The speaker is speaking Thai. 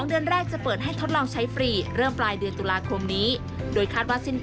๒เดือนอะไรจะเปิดให้ทดลองใช้ฟรีเริ่มปลายเดือนตุลาคมนี้